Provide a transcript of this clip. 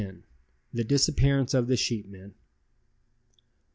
THE DISAPPEARANCE OF THE SHEEPMEN.